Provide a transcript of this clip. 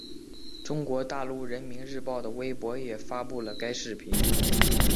中国大陆人民日报的微博也发布了该视频。